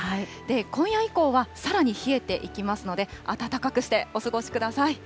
今夜以降はさらに冷えていきますので、温かくしてお過ごしください。